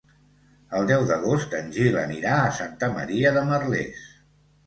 El deu d'agost en Gil anirà a Santa Maria de Merlès.